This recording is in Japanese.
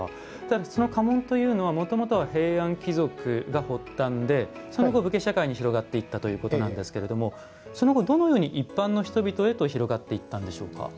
その家紋というのはもともとは平安貴族が発端でその後武家社会に広がっていったということなんですけれどもその後どのように一般の人々へと広がっていったんでしょうか？